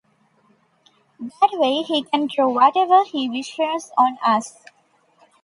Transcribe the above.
That way, he can draw whatever he wishes on us.